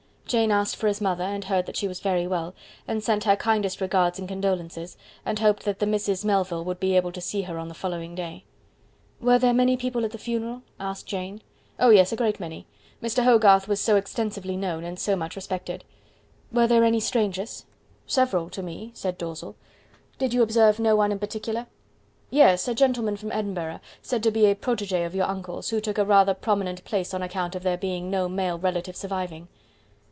Jane asked for his mother, and heard that she was very well, and sent her kindest regards and condolences, and hoped that the Misses Melville would be able to see her on the following day. "Were there many people at the funeral?" asked Jane. "Oh yes, a great man; Mr. Hogarth was so extensively known, and so much respected." "Were there any strangers?" "Several to me," said Dalzell. "Did you observe no one in particular?" "Yes, a gentleman from Edinburgh, said to be a PROTEGE of your uncle's, who took rather a prominent place on account of there being no male relative surviving."